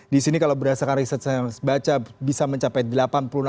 di sini kalau berdasarkan riset saya baca bisa mencapai delapan puluh enam